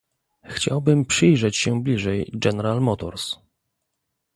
Chciałbym przyjrzeć się bliżej General Motors